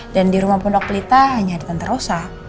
dan di rumah pondok lita hanya ada tante rosa